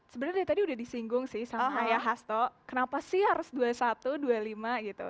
sebenarnya dari tadi udah disinggung sih sama ayah hasto kenapa sih harus dua puluh satu dua puluh lima gitu